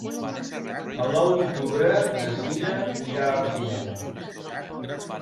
El nou d'octubre na Sira irà al cinema.